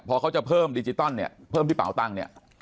พอเขาจะเพิ่มดิจิตอลเนี่ยเพิ่มที่เป่าตังค์เนี่ย